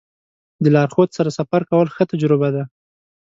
د لارښود سره سفر کول ښه تجربه ده.